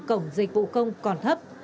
cổng dịch vụ công còn thấp